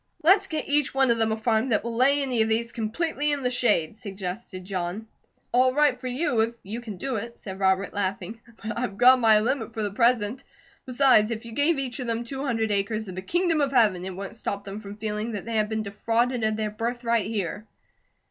"Let's get each one of them a farm that will lay any of these completely in the shade," suggested John. "All right for you, if you can do it," said Robert, laughing, "but I've gone my limit for the present. Besides, if you gave each of them two hundred acres of the Kingdom of Heaven, it wouldn't stop them from feeling that they had been defrauded of their birthright here."